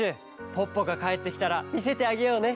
ポッポがかえってきたらみせてあげようね！